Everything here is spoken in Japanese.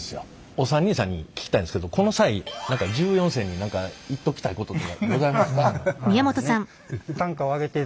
お三人さんに聞きたいんですけどこの際１４世に何か言っときたいこととかございますか？